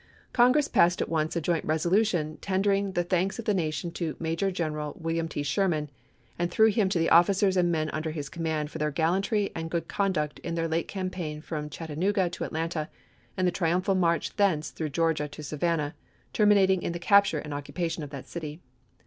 Congress passed at once a joint resolution tender ing the thanks of the nation "to Major General Wil liam T. Sherman, and through him to the officers and men under his command for their gallantry and good conduct in their late campaign from Chattanooga to Atlanta, and the triumphal march thence through ^iobe^' Georgia to Savannah terminating in the capture 186?, p. 158. and occupation of that city."